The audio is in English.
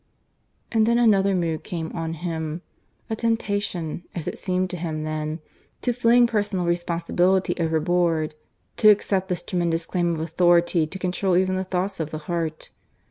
And then another mood came on him a temptation, as it seemed to him then, to fling personal responsibility overboard; to accept this tremendous claim of authority to control even the thoughts of the heart.